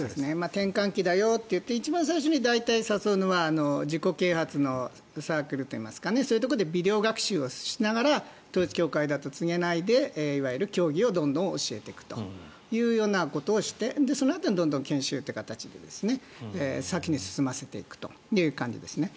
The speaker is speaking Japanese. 転換期だよといって一番最初に誘うのは自己啓発のサークルといいますかビデオ学習をしながら統一教会だと告げないでいわゆる教義をどんどん教えていくということをしてそのあとにどんどん研修という形で先に進ませていくという感じですね。